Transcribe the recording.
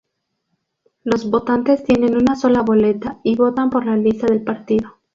Los votantes tienen una sola boleta y votan por la lista del partido.